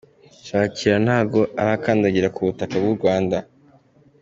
Shakira ntago arakandagira ku butaka bw’u Rwanda.